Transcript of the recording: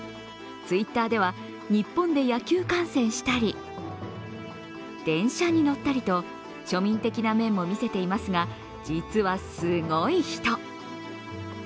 Ｔｗｉｔｔｅｒでは、日本で野球観戦したり電車に乗ったりと庶民的な面も見せていますが実は、すごい人。